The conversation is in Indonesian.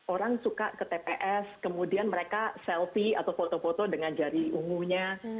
orang suka ke tps kemudian mereka selfie atau foto foto dengan jari ungunya